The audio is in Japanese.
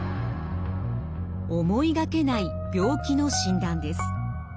思いがけない病気の診断です。